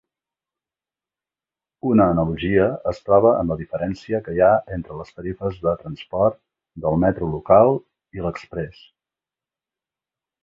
Una analogia es troba en la diferència que hi ha entre les tarifes de transport del metro local i l'exprés.